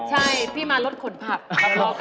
ใช่พี่มารถขนผัก